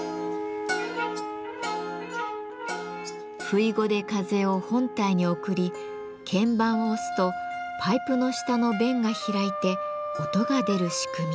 「ふいご」で風を本体に送り鍵盤を押すとパイプの下の弁が開いて音が出る仕組み。